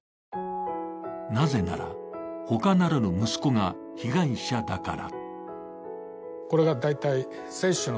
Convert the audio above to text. なぜなら、他ならぬ息子が被害者だから。